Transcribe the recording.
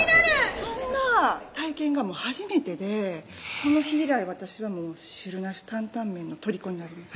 そんな体験が初めてでその日以来私はもう「汁なし担々麺」の虜になりました